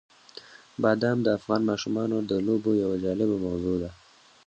بادام د افغان ماشومانو د لوبو یوه جالبه موضوع ده.